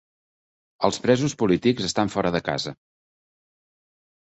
Els presos polítics estan fora de casa